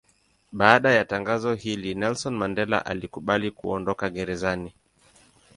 Baada ya tangazo hili Nelson Mandela alikubali kuondoka gerezani.